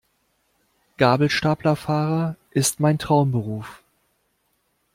Gabelstaplerfahrer ist mein Traumberuf.